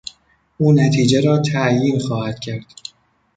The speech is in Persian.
او نتیجه را تعیین خواهد کرد.